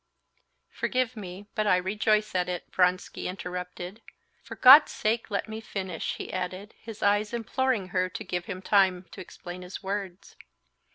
"Forgive me, but I rejoice at it," Vronsky interrupted. "For God's sake, let me finish!" he added, his eyes imploring her to give him time to explain his words.